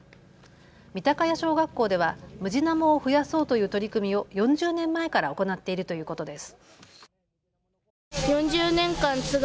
三田ヶ谷小学校ではムジナモを増やそうという取り組みを４０年前から行っているということです。